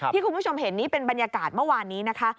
คุณผู้ชมเห็นนี้เป็นบรรยากาศเมื่อวานนี้นะคะ